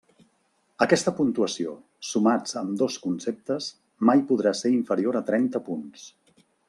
Aquesta puntuació, sumats ambdós conceptes, mai podrà ser inferior a trenta punts.